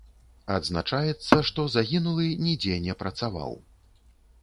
Адзначаецца, што загінулы нідзе не працаваў.